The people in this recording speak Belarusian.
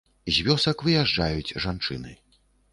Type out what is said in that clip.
З вёсак выязджаюць жанчыны.